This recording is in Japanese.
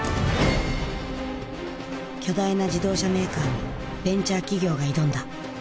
巨大な自動車メーカーにベンチャー企業が挑んだ。